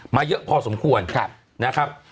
มาเยอะพอสมควรนะครับ